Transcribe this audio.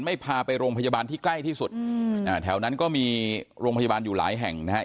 พาไปโรงพยาบาลที่ใกล้ที่สุดอืมอ่าแถวนั้นก็มีโรงพยาบาลอยู่หลายแห่งนะครับ